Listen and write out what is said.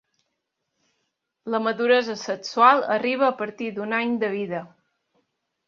La maduresa sexual arriba a partir d'un any de vida.